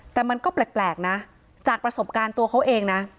แต่มันก็แปลกนะจากประสบการณ์ตัวเขาเองนะ